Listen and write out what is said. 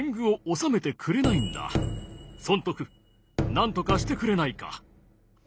なんとかしてくれないか？